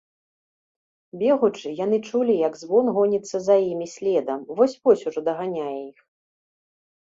Бегучы, яны чулі, як звон гоніцца за імі следам, вось-вось ужо даганяе іх.